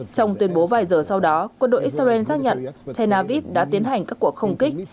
trong tuyên bố vài giờ sau đó quân đội israel xác nhận tel aviv đã tiến hành các cuộc không kích